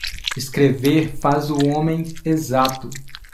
Escrever faz o homem exato